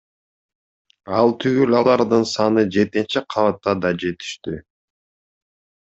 Ал түгүл алардын саны жетинчи кабатта да жетиштүү.